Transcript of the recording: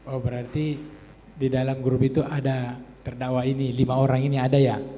oh berarti di dalam grup itu ada terdakwa ini lima orang ini ada ya